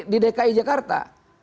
di dki jakarta